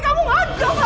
kamu ngacau pak wan